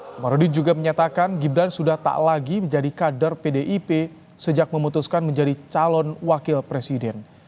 komarudin juga menyatakan gibran sudah tak lagi menjadi kader pdip sejak memutuskan menjadi calon wakil presiden